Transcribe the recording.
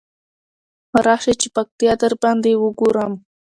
راشی چی پکتيا درباندې وګورم.